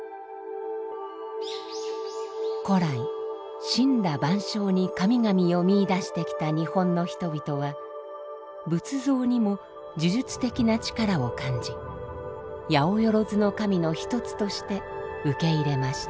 古来森羅万象に神々を見いだしてきた日本の人々は仏像にも呪術的な力を感じ八百万の神の一つとして受け入れました。